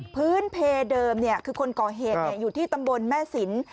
พื้นเพเดิมคือคนก่อเหตุอยู่ที่ตำบลแม่สิน